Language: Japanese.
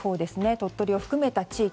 鳥取を含めた地域。